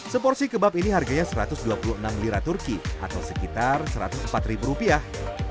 seporsi kebab ini harganya satu ratus dua puluh enam lira turki atau sekitar satu ratus empat ribu rupiah